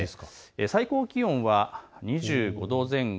最高気温は２５度前後。